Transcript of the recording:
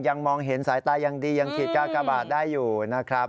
ยังมองเห็นสายตายังดียังขีดกากบาทได้อยู่นะครับ